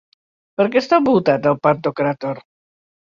Per què està envoltat el pantocràtor?